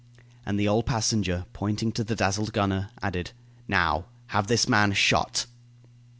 And the old passenger, pointing to the dazzled gunner, added: "Now, have this man shot."